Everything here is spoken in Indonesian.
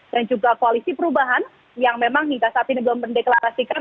dan juga koalisi perubahan yang memang tidak saat ini belum mendeklarasikan